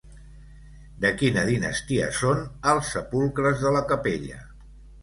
De quina dinastia són els sepulcres de la capella?